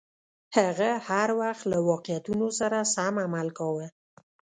هغه هر وخت له واقعیتونو سره سم عمل کاوه.